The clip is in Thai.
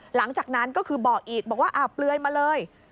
หลังจากนั้นก็คือบอกอีกบอกว่าเปลือยมาเลย